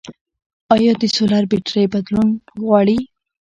آیا د سولر بیترۍ بدلول غواړي؟